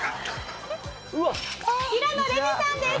平野レミさんです